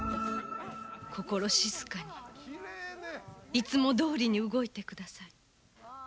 心静かにいつもどおりに動いてください。